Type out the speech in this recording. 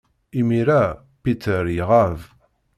Imir-a, Peter iɣab.